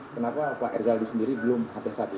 kenapa pak erzaldi sendiri belum hati hati